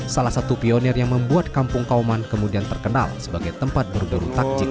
salah satu pionir yang membuat kampung kauman kemudian terkenal sebagai tempat berburu takjil